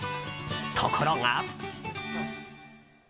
ところが。